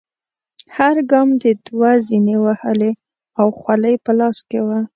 هر ګام دې دوه زینې وهلې او خولۍ په لاس کې وه.